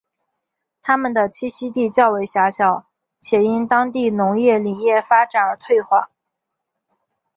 它们的栖息地较为狭小且因当地农业林业发展而退化。